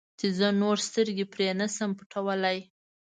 چې زه نور سترګې پرې نه شم پټولی.